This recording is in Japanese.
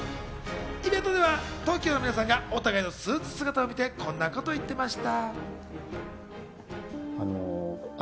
イベントではＴＯＫＩＯの皆さんがお互いのスーツ姿を見て、こんなことを言っていました。